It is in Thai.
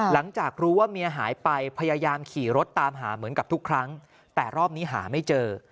หลังจากรู้ว่าเมียหายไปพยายามขี่รถตามหาเหมือนกับทุกครั้งแต่รอบนี้หาไม่เจอ